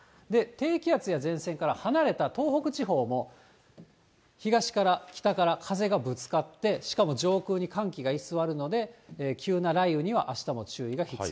低気圧や前線から離れた東北地方も、東から、北から、風がぶつかって、しかも上空に寒気が居座るので、日曜日はお天気回復。